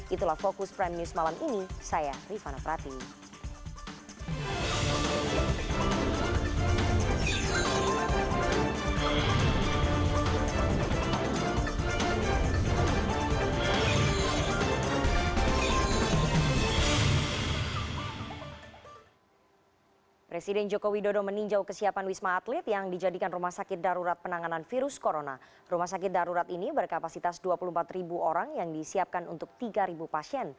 itulah fokus prime news malam ini saya rifana prati